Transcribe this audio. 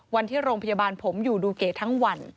วันที่โรงพยาบาลผมอยู่ดูเก๋ทั้งวัน